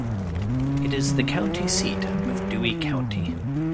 It is the county seat of Dewey County.